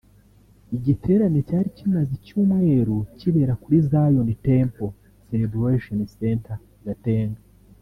Igiterane cyari kimaze icyumweru kibera kuri Zion Temple Celebration Center Gatenga